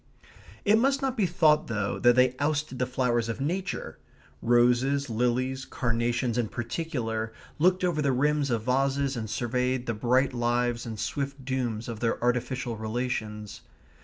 It must not be thought, though, that they ousted the flowers of nature. Roses, lilies, carnations in particular, looked over the rims of vases and surveyed the bright lives and swift dooms of their artificial relations.